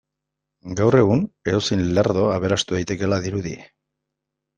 Gaur egun edozein lerdo aberastu daitekeela dirudi.